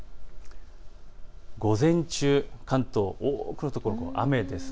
午前中、関東、多くの所、雨です。